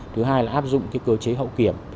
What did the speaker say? thứ hai là áp dụng cơ chế hậu kiểm